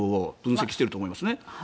分析していると思います。